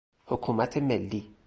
حکومت ملی